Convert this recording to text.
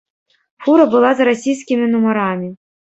Фура была з расійскімі нумарамі.